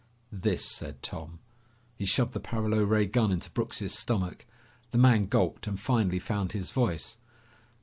"This," said Tom. He shoved the paralo ray gun into Brooks' stomach. The man gulped and finally found his voice.